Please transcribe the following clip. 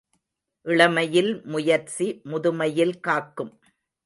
இளமையில் முயற்சி முதுமையில் காக்கும்.